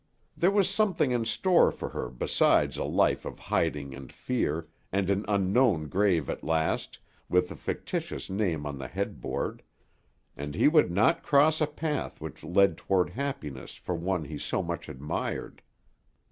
There was something in store for her besides a life of hiding and fear, and an unknown grave at last, with a fictitious name on the headboard; and he would not cross a path which led toward happiness for one he so much admired.